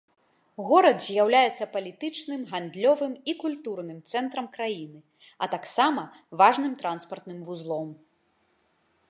Горад з'яўляецца палітычным, гандлёвым і культурным цэнтрам краіны, а таксама важным транспартным вузлом.